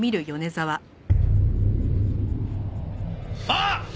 あっ！